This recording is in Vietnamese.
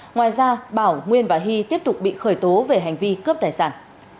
ngoài ra bảo nguyên và hy tiếp tục bị khởi tố về hành vi cướp tài sản